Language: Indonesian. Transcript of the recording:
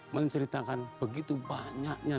menceritakan begitu banyaknya